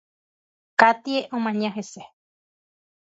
Katie omaña hese.